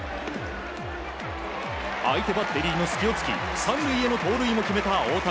相手バッテリーの隙を突き３塁への盗塁も決めた大谷。